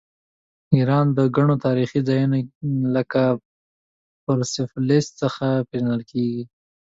ایران د ګڼو تاریخي ځایونو لکه پرسپولیس څخه پیژندل کیږي.